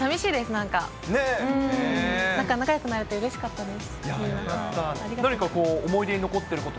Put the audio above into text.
なんか仲よくなれてうれしかったです。